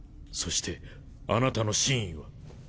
そしてあなたの真意は？